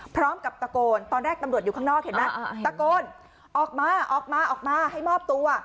พร้อมกับตะโกนตอนแรกตำรวจอยู่ข้างนอกเห็นไหมตะโกนออกมาออกมาออกมาให้มอบตัว